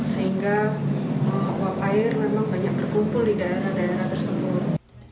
sehingga uap air memang banyak berkumpul di daerah daerah tersebut